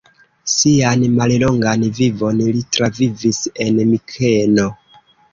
Sian mallongan vivon li travivis en Mikeno.